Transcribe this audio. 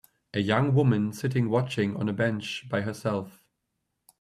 A young woman sitting watching on a bench by herself.